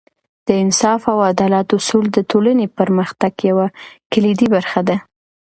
د انصاف او عدالت اصول د ټولنې پرمختګ یوه کلیدي برخه ده.